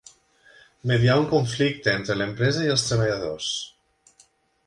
Mediar un conflicte entre l'empresa i els treballadors.